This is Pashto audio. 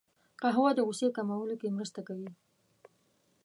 قهوه د غوسې کمولو کې مرسته کوي